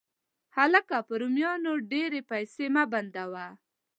هلکه، په رومیانو ډېرې پیسې مه بندوه.